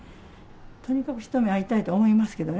とにかく一目会いたいと思いますけどね。